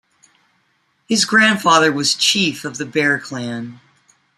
His grandfather was Chief of the Bear Clan.